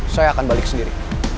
saya akan balik sendiri